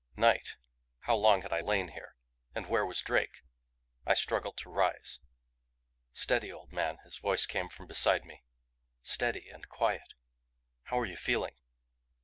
Night? How long had I lain here? And where was Drake? I struggled to rise. "Steady, old man," his voice came from beside me. "Steady and quiet. How are you feeling?"